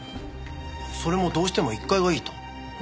それもどうしても１階がいいと。